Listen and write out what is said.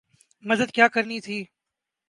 مدد کیا کرنی تھی۔